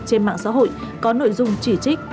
trên mạng xã hội có nội dung chỉ trích